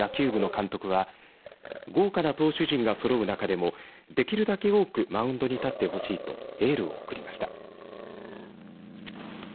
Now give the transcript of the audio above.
学院野球部の監督は豪華な投手陣がそろう中でもできるだけ多くマウンドに立ってほしいとエールを送りました。